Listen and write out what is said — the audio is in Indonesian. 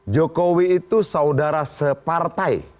jokowi itu saudara separtai